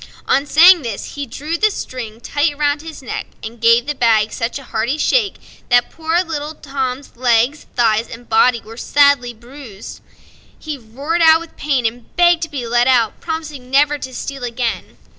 On saying this, he drew the string tight round his neck, and gave the bag such a hearty shake that poor little Tom's legs, thighs and body were sadly bruised. He roared out with pain and begged to be let out, promising never to steal again.